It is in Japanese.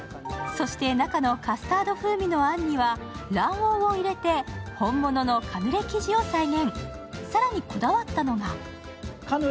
そして中のカスタード風味のあんにはラムネも入れて本物のカヌレ生地を再現。